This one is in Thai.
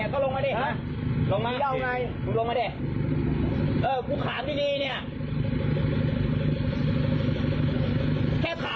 แค่ขอว่ามาติดต่ออะไรคุณก็ตอบมาติดต่อธุระโอเคผมก็ลงให้